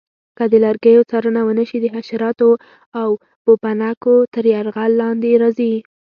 که د لرګیو څارنه ونه شي د حشراتو او پوپنکو تر یرغل لاندې راځي.